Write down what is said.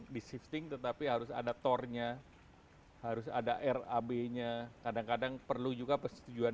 di shifting tetapi harus ada tornya harus ada rab nya kadang kadang perlu juga persetujuan